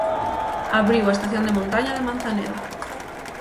Abriu a estación de montaña de Manzaneda.